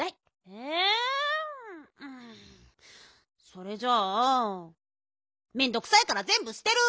それじゃあめんどくさいからぜんぶすてる。